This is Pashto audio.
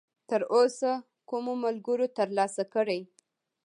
تراوسه کومو ملګرو ترلاسه کړی!؟